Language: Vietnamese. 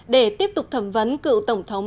để tiếp tục thẩm vấn cựu tổng thống